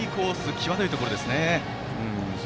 際どいところですね。